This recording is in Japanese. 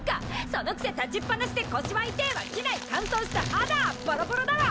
そのくせ立ちっぱなしで腰は痛ぇわ機内乾燥して肌はボロボロだわ！